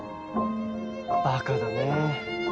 バカだねぇ。